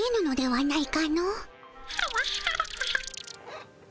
はい？